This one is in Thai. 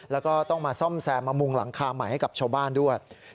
แล้วก็ต้องมาซ่อมแซมมามุงหลังคาใหม่ให้กับชาวบ้านด้วย